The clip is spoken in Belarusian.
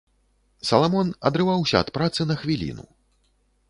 Саламон адрываўся ад працы на хвіліну.